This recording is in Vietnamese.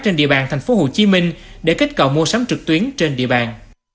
trên địa bàn tp hcm để kết cậu mua sắm trực tuyến trên địa bàn